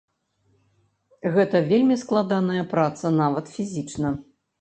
Гэта вельмі складаная праца, нават фізічна.